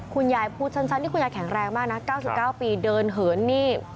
คุณยายพูดสั้นนี่คุณยายแข็งแรงมากนะ๙๙ปีเดินเหินนี่